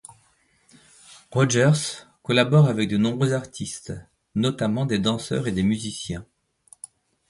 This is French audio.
Rogers collabore avec de nombreux artistes, notamment des danseurs et des musiciens.